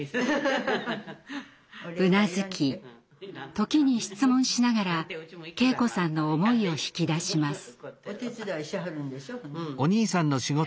うなずき時に質問しながら敬子さんの思いを引き出します。